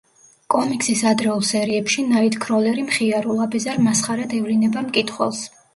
კომიქსის ადრეულ სერიებში ნაითქროლერი მხიარულ, აბეზარ მასხარად ევლინება მკითხველს.